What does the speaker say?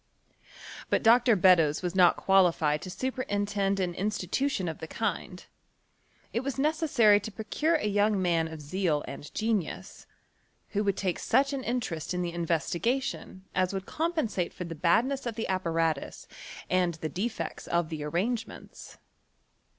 But Dr. Beddoes was not qualilied to superintend an institution of the kind : it was necessary to pro cure a young man of zeal and genius, who would take such an interest in the investigation as would compensate for the badness of the apparatus and the defects of tlie arrangements.